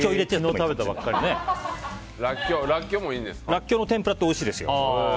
らっきょうの天ぷらもおいしいんですよ。